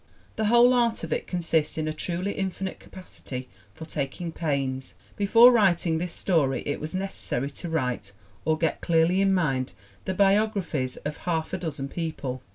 The whole art of it consists in a truly infinite capacity for taking pains. Before writing this story it was necessary to write, or get clearly in mind, the biographies of half a dozen people.